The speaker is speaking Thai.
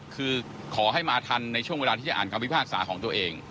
คือขอให้มาทันในช่วงเวลาที่จะอ่านคำพิพากษาของตัวเอง